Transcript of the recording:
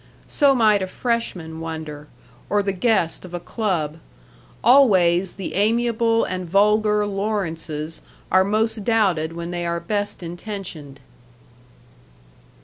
So might a freshman wonder, or the guest of a club; always the amiable and vulgar Lawrences are most doubted when they are best intentioned.